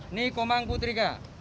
ini komang putrika